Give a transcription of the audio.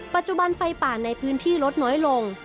ปัจจุบันไฟป่าในพื้นที่ลดน้อยลง